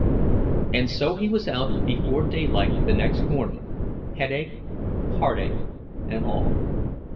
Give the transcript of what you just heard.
And so he was out before daylight the next morning, headache, heartache, and all.